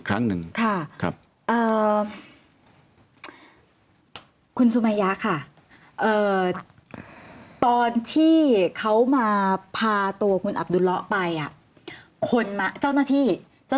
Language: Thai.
คุณคุณสุมัยะค่ะเออตอนที่เขามาพาตัวคุณอับดุล้อไปอ่ะคนมาเจ้าหน้าที่เจ้า